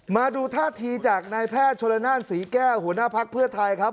มาดูท่าทีจากนายแพทย์ชนละนานศรีแก้วหัวหน้าภักดิ์เพื่อไทยครับ